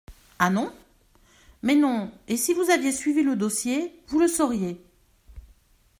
Ah non ? Mais non, et si vous aviez suivi le dossier, vous le sauriez.